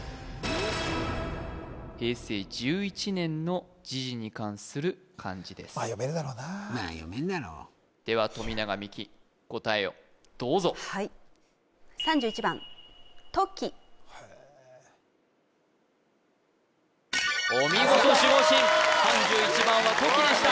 平成１１年の時事に関する漢字ですまあ読めるだろうなまあ読めるだろいやでは富永美樹答えをどうぞはいへえお見事守護神３１番はトキでした・